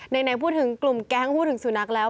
ไหนพูดถึงกลุ่มแก๊งพูดถึงสุนัขแล้ว